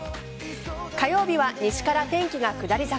火曜日は西から天気が下り坂